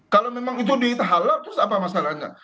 kalau memang itu dihalal terus apa masalahnya